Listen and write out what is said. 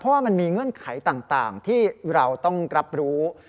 เพราะว่ามันมีเงื่อนไขต่างที่เราต้องรับรู้